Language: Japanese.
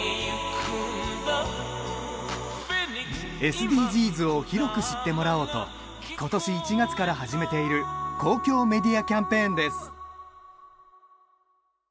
ＳＤＧｓを広く知ってもらおうとことし１月から始めている公共メディアキャンペーンです。